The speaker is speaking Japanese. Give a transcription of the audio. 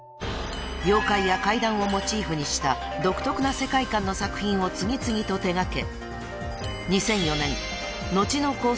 ［妖怪や怪談をモチーフにした独特な世界観の作品を次々と手掛け］